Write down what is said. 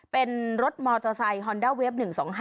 เป็นรถมอเตอร์ไซค์ฮอนด้าเวฟ๑๒๕๖